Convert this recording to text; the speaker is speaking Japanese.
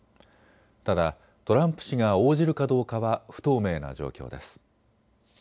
ただトランプ氏が応じるかどうかは不透明な状況です。